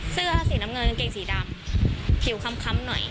เสื้อสีน้ำเงินกางเกงสีดำผิวค้ำหน่อย